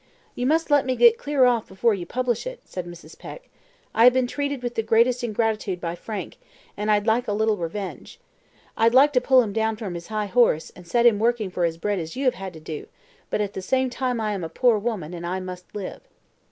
"You must let me get clear off before you publish it," said Mrs. Peck. "I have been treated with the greatest ingratitude by Frank, and I'd like a little revenge. I'd like to pull him down from his high horse, and set him working for his bread as you have had to do; but at the same time I am a poor woman, and I must live."